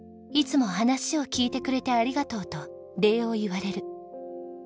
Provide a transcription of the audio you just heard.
「いつも話を聞いてくれてありがとう」と礼を言われる。